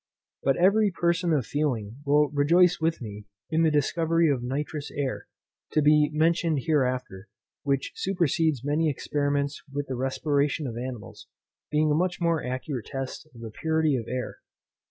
But every person of feeling will rejoice with me in the discovery of nitrous air, to be mentioned hereafter, which supersedes many experiments with the respiration of animals, being a much more accurate test of the purity of air.